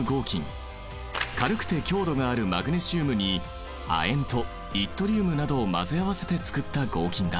軽くて強度があるマグネシウムに亜鉛とイットリウムなどを混ぜ合わせてつくった合金だ。